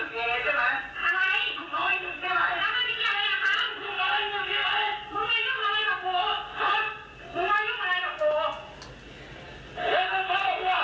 คุณบ้าจะกำกัดโทย